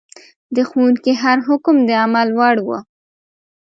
د ښوونکي هر حکم د عمل وړ و.